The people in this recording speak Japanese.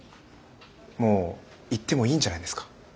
もう言ってもいいんじゃないですか？